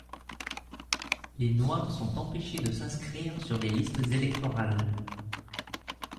Les Noirs sont empêchés de s’inscrire sur les listes électorales.